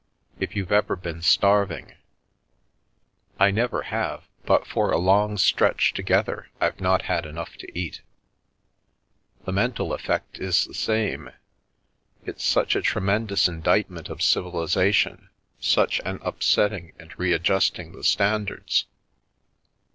If you've ever been starving "" I never have, but for a long stretch together INre not had enough to cat" " The mental effect is the same. It's such a tremen dous indictment of civilisation, such an upsetting and readjusting of standards.